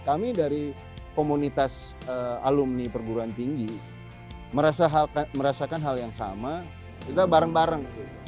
kami dari komunitas alumni perguruan tinggi merasakan hal yang sama kita bareng bareng